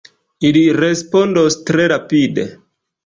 Ili respondos tre rapide!